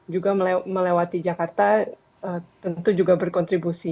juga melewati jakarta tentu juga berkontribusi